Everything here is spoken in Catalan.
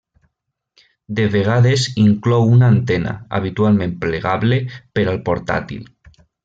De vegades inclou una antena, habitualment plegable, per al portàtil.